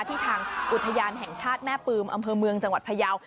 ทางอุทยานแห่งชาติแม่ปืมอำเภอเมืองจังหวัดพยาว